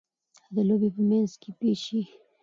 د لوبي په منځ کښي پېچ يي.